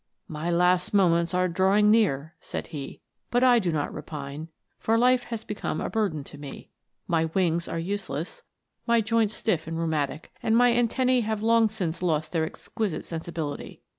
"My last moments are drawing near," said he, "but I do not repine, for life has become a burden to me. My wings are useless, my joints stiff and rheumatic, and my antennae have long since lost their exquisite sensibility.